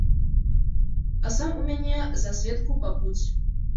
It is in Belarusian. А сам у мяне за сведку пабудзь.